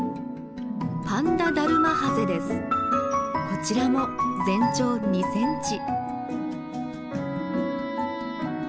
こちらも全長２センチ。